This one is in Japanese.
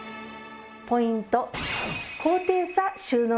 ポイント。